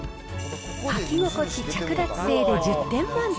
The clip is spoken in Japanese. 履き心地、着脱性で１０点満点。